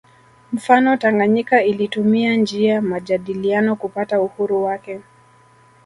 Mfano Tanganyika ilitumia njia majadiliano kupata uhuru wake